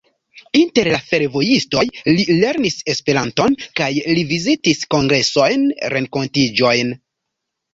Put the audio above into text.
Inter la fervojistoj li lernis Esperanton kaj li vizitis kongresojn, renkontiĝojn.